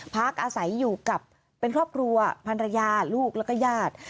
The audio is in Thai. พักอาศัยอยู่กับเป็นครอบครัวพันรยาลูกแล้วก็ญาติ